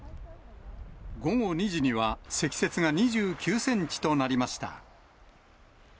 午後２時には、積雪が２９センチとなりました。